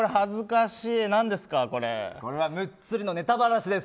これはムッツリのネタバラシです。